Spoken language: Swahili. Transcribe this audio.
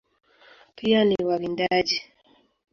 Pia ni wawindaji.